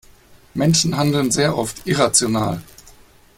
Menschen handeln sehr oft irrational.